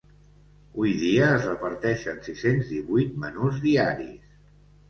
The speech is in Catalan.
Hui dia es reparteixen sis-cents divuit menús diaris.